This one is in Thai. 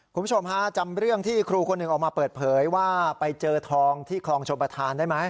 คุณผู้ชมฮะจำเรื่องที่ครูคนหนึ่งออกมาเปิดเผยว่าไปเจอทองที่คลองชมประธานได้ไหม